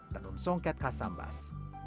tenun songket khas sambas